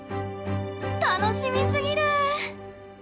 楽しみすぎる！